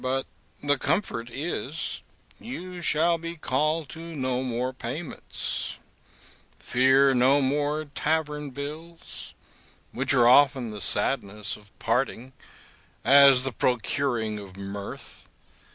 But the comfort is, you shall be called to no more payments, fear no more tavern bills, which are often the sadness of parting, as the procuring of mirth.